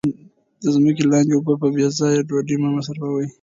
د ځمکې لاندې اوبه په بې ځایه ډول مه مصرفوئ.